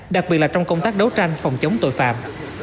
đặc biệt là trong công tác đấu tranh phòng chống tội phạm